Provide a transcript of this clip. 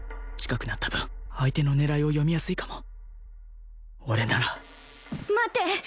近くなった分相手の狙いを読みやすいかも俺なら待って！